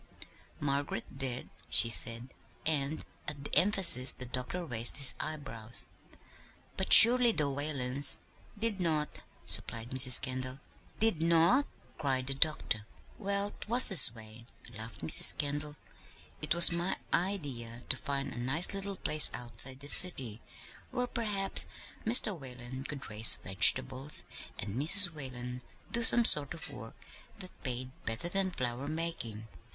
"Margaret did," she said; and at the emphasis the doctor raised his eyebrows. "But, surely the Whalens " "Did not," supplied Mrs. Kendall. "Did not!" cried the doctor. "Well, 'twas this way," laughed Mrs. Kendall. "It was my idea to find a nice little place outside the city where perhaps Mr. Whalen could raise vegetables, and Mrs. Whalen do some sort of work that paid better than flower making.